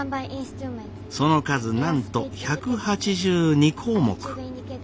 その数なんと１８２項目。